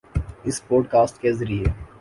اس podcast کے ذریعے